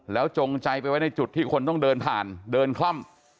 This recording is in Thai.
จงใจไปไว้ในจุดที่คนต้องเดินผ่านเดินคล่อม